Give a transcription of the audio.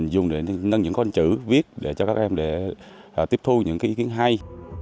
dùng để nâng những con chữ viết để cho các em để tiếp thu những ý kiến hay